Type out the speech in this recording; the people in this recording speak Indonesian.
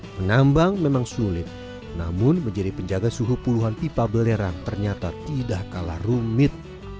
menambang memang sulit namun menjadi penjaga suhu puluhan pipa belerang ternyata tidak kalah rumit